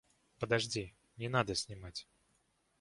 Подожди, не надо снимать.